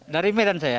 dari medan saya